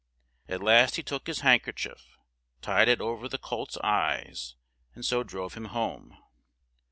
At last he took his hand ker chief, tied it o ver the colt's eyes, and so drove him home.